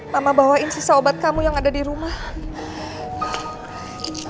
mama bawain sisa obat kamu yang ada di rumah